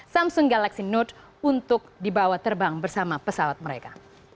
samsung galaxy note untuk dibawa terbang bersama pesawat mereka